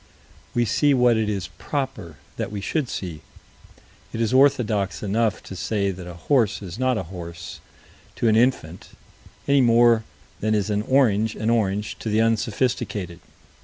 We see what it is "proper" that we should see. It is orthodox enough to say that a horse is not a horse, to an infant any more than is an orange an orange to the unsophisticated.